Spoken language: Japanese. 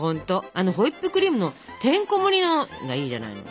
あのホイップクリームのてんこもりのがいいじゃないの。